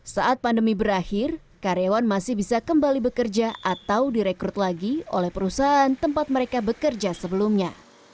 saat pandemi berakhir karyawan masih bisa kembali bekerja atau direkrut lagi oleh perusahaan tempat mereka bekerja sebelumnya